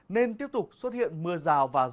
nên tiếp tục xuất hiện mưa rào và rông